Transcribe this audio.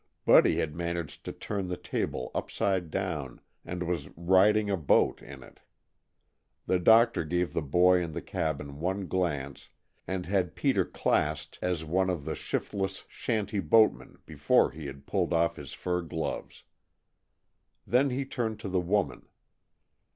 Buddy had managed to turn the table upside down and was "riding a boat" in it. The doctor gave the boy and the cabin one glance and had Peter classed as one of the shiftless shanty boatmen before he had pulled off his fur gloves. Then he turned to the woman.